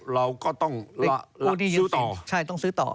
เราก็ต้องซื้อต่อใช่ต้องซื้อต่อ